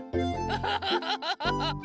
フフフフフフフ。